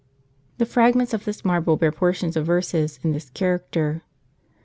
The fragments of this marble bear portions of verses, in this character.